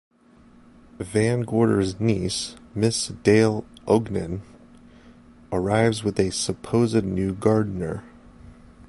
Van Gorder's niece, Miss Dale Ogden, arrives with a supposed new gardener.